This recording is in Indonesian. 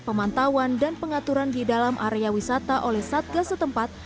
pemantauan dan pengaturan di dalam area wisata oleh satgas setempat